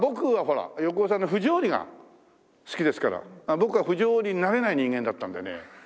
僕は不条理になれない人間だったんでね。